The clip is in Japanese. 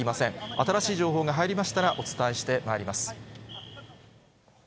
新しい情報が入りましたらお伝えしてまいります。